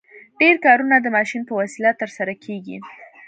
ډېر کارونه د ماشین په وسیله ترسره کیږي.